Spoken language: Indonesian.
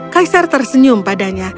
kaisar tersenyum padanya